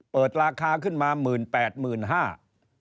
เปิดราคาขึ้นมา๑๘๐๐๐๑๕๐๐๐บาท